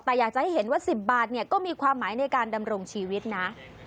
แต่อยากจะให้เห็นว่า๑๐บาทเนี่ยก็มีความหมายในการดำรงชีวิตนะ